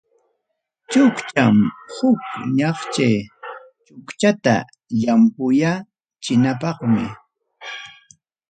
Chukcham huk ñaqchay chukchata llampuyachinapaqmi.